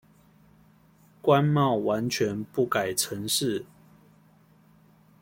關貿完全不改程式